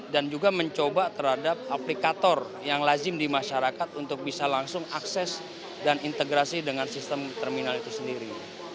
dan juga mencoba terhadap aplikator yang lazim di masyarakat untuk bisa langsung akses dan integrasi dengan sistem terminal itu sendiri